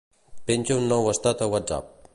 Penja un nou estat a Whatsapp.